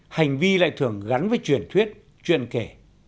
hành vi lại thường gắn với truyền thuyết chuyện kể